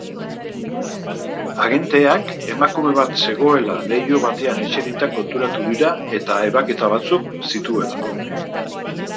Agenteak emakume bat zegoela leiho batean eserita konturatu dira eta ebaketa batzuk zituela.